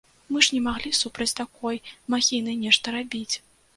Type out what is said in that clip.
Мы ж не маглі супраць такой махіны нешта рабіць.